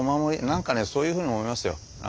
何かねそういうふうに思いますよ。